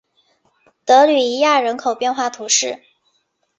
德吕伊亚人口变化图示